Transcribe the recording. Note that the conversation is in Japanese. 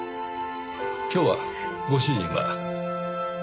今日はご主人は？